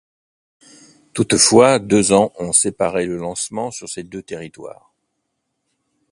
Toutefois, deux ans ont séparé le lancement sur ces deux territoires.